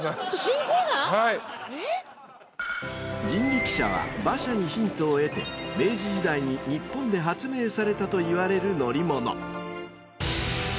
［人力車は馬車にヒントを得て明治時代に日本で発明されたといわれる乗り物］